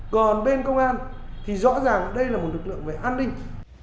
còn bên công an thì rõ ràng đây là một lực lượng về an ninh